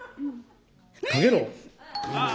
かげろう。